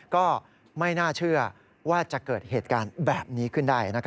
ก็ไม่น่าเชื่อว่าจะเกิดเหตุการณ์แบบนี้ขึ้นได้